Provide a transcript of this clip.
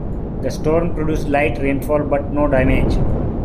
The storm produced light rainfall but no damage.